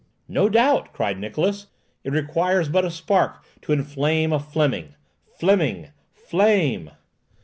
"No doubt," cried Niklausse. "It requires but a spark to inflame a Fleming! Fleming! Flame!"